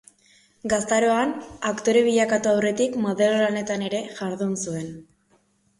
Gaztaroan aktore bilakatu aurretik modelo lanetan ere jardun zuen.